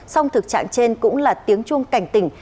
song thực trạng trên cũng là tiếng chuông cảnh tỉnh